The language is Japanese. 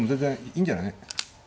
いいんじゃない。